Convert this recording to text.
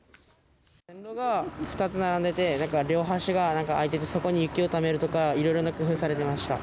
線路が２つ並んでて両端が空いていてそこに雪をためるとかいろいろな工夫がされていました。